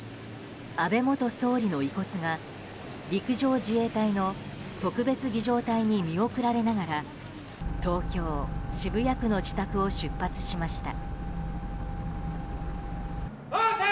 安倍元総理の遺骨が陸上自衛隊の特別儀仗隊に見送られながら東京・渋谷区の自宅を出発しました。